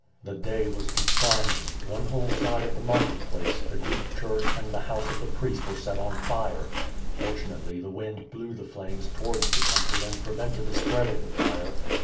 The day was declining. One whole side of the market place, the Greek church, and the house of the priest were set on fire. Fortunately, the wind blew the flames towards the country and prevented the spread of the fire, but ^ITH PIRE ASD SM'OkD.